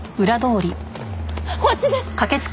こっちです！